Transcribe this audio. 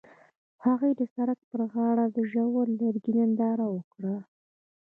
هغوی د سړک پر غاړه د ژور لرګی ننداره وکړه.